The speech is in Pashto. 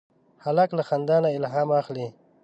هلک له خندا نه الهام اخلي.